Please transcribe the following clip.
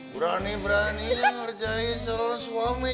berani berani ngerjain calon suami